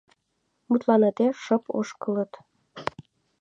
Мутланыде, шып ошкылыт.